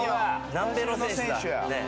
南米の選手だ。